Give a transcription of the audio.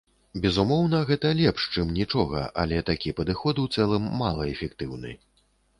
Безумоўна, гэта лепш, чым нічога, але такі падыход у цэлым малаэфектыўны.